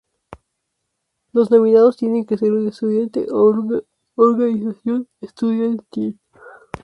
Los nominados tienen que ser un estudiante o una organización estudiantil.